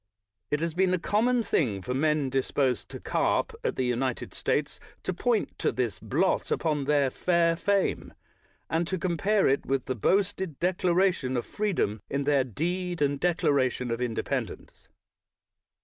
It has been a common thing for men disposed to carp at the United States to point to this blot upon their fair fame, and to compare it with the boasted declaration of free dom in their Deed and Declaration of Inde pendence.